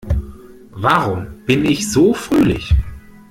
Warum bin ich so fröhlich?